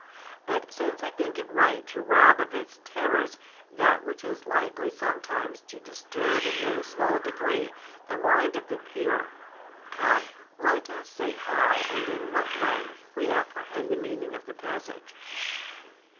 But since I think it right to rob of its terrors that which is likely sometimes to disturb in no small degree the mind of the pure, come, let us say how and in what way we apprehend the meaning of the passage.